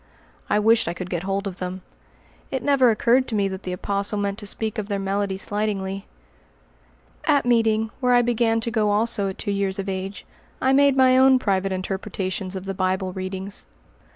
I wished I could get hold of them. It never occurred to me that the Apostle meant to speak of their melody slightingly. At meeting, where I began to go also at two years of age, I made my own private interpretations of the Bible readings.